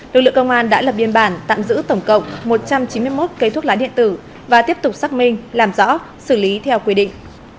lực lượng công an đã lập biên bản tạm giữ tổng cộng một trăm chín mươi một cây thuốc lá điện tử và tiếp tục xác minh làm rõ xử lý theo quy định